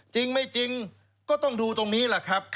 จริงไม่จริงก็ต้องดูตรงนี้แหละครับ